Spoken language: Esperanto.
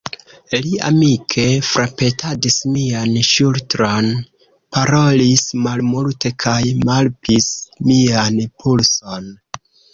Li amike frapetadis mian ŝultron, parolis malmulte kaj palpis mian pulson.